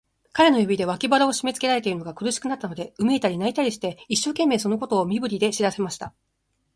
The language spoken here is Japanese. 彼の指で、脇腹をしめつけられているのが苦しくなったので、うめいたり、泣いたりして、一生懸命、そのことを身振りで知らせました。